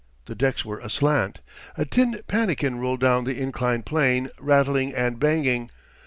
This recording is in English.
The decks were aslant. A tin pannikin rolled down the inclined plane, rattling and banging.